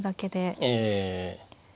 ええ。